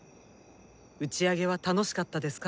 打ち上げは楽しかったですか？